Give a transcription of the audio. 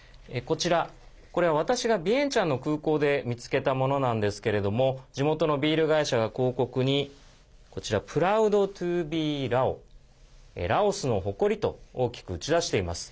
これは私がビエンチャンの空港で見つけたものなんですけれども地元のビール会社が広告にＰｒｏｕｄｔｏＢｅｌａｏラオスの誇りと大きく打ち出しています。